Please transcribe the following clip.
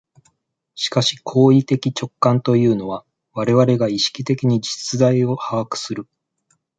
しかし行為的直観というのは、我々が意識的に実在を把握する、